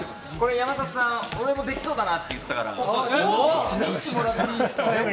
山里さん、俺もできそうだなって言ってたから。